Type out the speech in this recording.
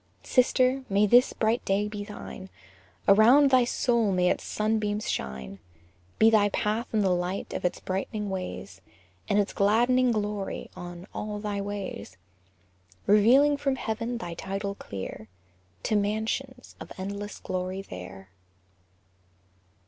Sister, may this bright day be thine! Around thy soul may its sunbeams shine! Be thy path in the light of its brightening rays, And its gladdening glory on "all thy ways;" Revealing from heaven thy title clear, "To mansions" of endless glory there!